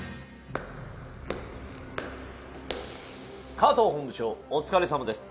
加藤本部長お疲れさまです。